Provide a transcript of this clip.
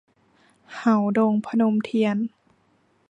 เห่าดง - พนมเทียน